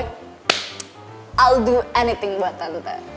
i'll do anything buat tante